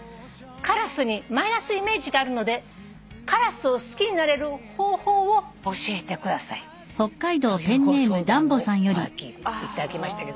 「カラスにマイナスイメージがあるのでカラスを好きになれる方法を教えてください」というご相談のおはがき頂きましたけど。